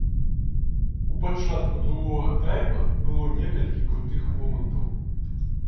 У пачатку другога тайма было некалькі крутых момантаў.